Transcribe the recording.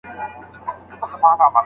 تاسو په خپلو هڅو کي ثابت قدم اوسئ.